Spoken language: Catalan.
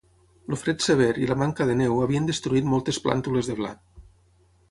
El fred sever i la manca de neu havien destruït moltes plàntules de blat.